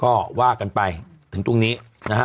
ก็ว่ากันไปถึงตรงนี้นะฮะ